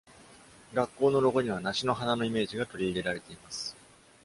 学校のロゴには、梨の花のイメージが取り入れられています。